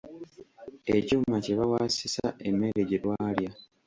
Ekyuma kye bawaasisa emmere gye twalya.